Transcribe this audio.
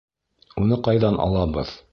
Уны ҡайҙан алабыҙ?